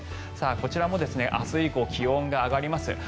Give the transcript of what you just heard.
こちらも明日以降気温が上がります。